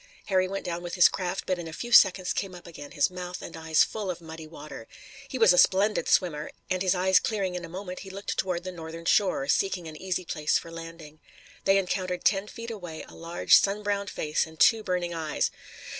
Harry went down with his craft, but in a few seconds came up again, his mouth and eyes full of muddy water. He was a splendid swimmer, and his eyes clearing in a moment he looked toward the northern shore, seeking an easy place for landing. They encountered ten feet away a large sun browned face and two burning eyes.